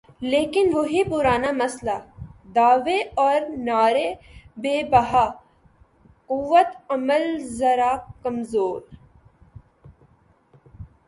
لیکن وہی پرانا مسئلہ، دعوے اور نعرے بے بہا، قوت عمل ذرا کمزور۔